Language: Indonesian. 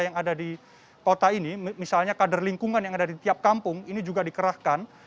yang ada di kota ini misalnya kader lingkungan yang ada di tiap kampung ini juga dikerahkan